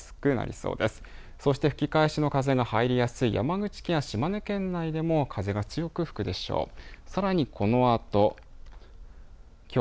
そして吹き返しの風が入りやすい山口県や島根県内でも風が強く吹くでしょう。